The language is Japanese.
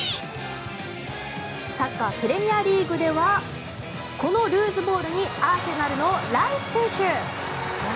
サッカープレミアリーグではこのルーズボールにアーセナルのライス選手。